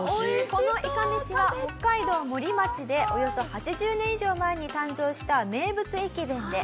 このいかめしは北海道森町でおよそ８０年以上前に誕生した名物駅弁で。